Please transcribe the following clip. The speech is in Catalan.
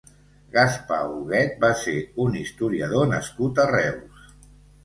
Gaspar Huguet va ser un historiador nascut a Reus.